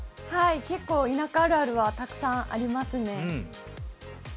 結構、田舎あるあるはたくさんありますね。